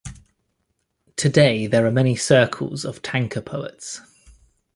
Today there are many circles of tanka poets.